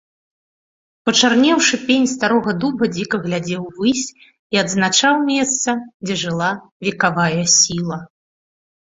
Пачарнеўшы пень старога дуба дзіка глядзеў увысь і адзначаў месца, дзе жыла векавая сіла.